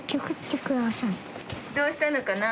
どうしたのかな？